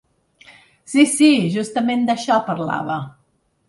Sí, sí, justament d'això parlava.